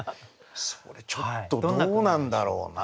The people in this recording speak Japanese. それちょっとどうなんだろうな？